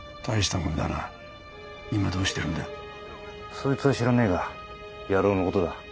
そいつは知らねえが野郎のことだ。